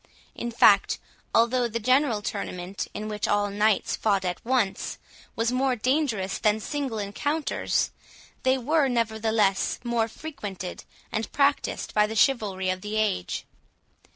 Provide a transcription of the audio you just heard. In fact, although the general tournament, in which all knights fought at once, was more dangerous than single encounters, they were, nevertheless, more frequented and practised by the chivalry of the age.